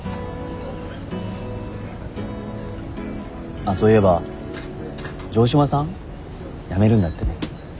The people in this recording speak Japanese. あっそういえば城島さん辞めるんだってね。